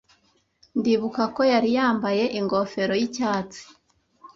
Ndibuka ko yari yambaye ingofero y'icyatsi.